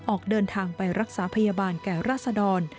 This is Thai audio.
ออกเดินทางไปรักษาพยาบาลแก่ราษดร